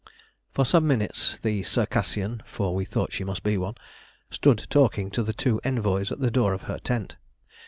For some minutes the Circassian (for we thought she must be one) stood talking to the two envoys at the door of her tent.